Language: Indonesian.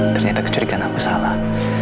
ternyata kecurigaan aku salah